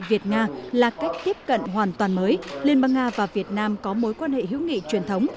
việt nga là cách tiếp cận hoàn toàn mới liên bang nga và việt nam có mối quan hệ hữu nghị truyền thống